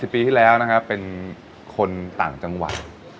ปีที่แล้วนะครับเป็นคนต่างจังหวัด